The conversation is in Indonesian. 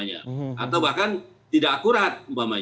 atau bahkan tidak akurat